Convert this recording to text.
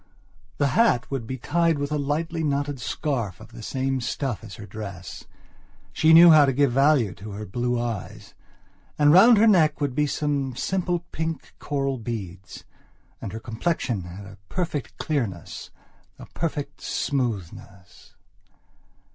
The hat would be tied with a lightly knotted scarf of the same stuff as her dress. She knew how to give value to her blue eyes. And round her neck would be some simple pink, coral beads. And her complexion had a perfect clearness, a perfect smoothness...